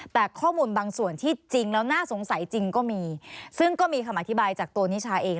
แต่ข้อมูลบางส่วนที่จริงแล้วน่าสงสัยจริงก็มีซึ่งก็มีคำอธิบายจากตัวนิชาเอง